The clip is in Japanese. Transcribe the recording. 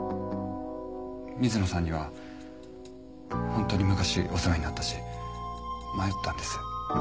水野さんには本当に昔お世話になったし迷ったんです。